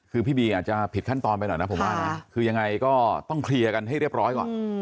คือพี่บีอาจจะผิดขั้นตอนไปหน่อยนะผมว่านะคือยังไงก็ต้องเคลียร์กันให้เรียบร้อยก่อน